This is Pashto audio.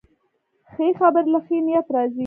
ښه خبرې له ښې نیت راځي